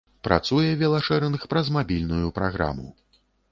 Працуе велашэрынг праз мабільную праграму.